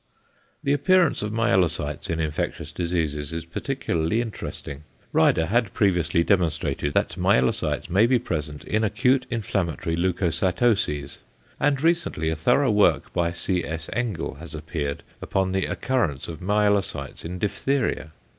The appearance of myelocytes in infectious diseases is particularly interesting. Rieder had previously demonstrated that myelocytes may be present in acute inflammatory leucocytoses; and recently a thorough work by C. S. Engel has appeared upon the occurrence of myelocytes in diphtheria.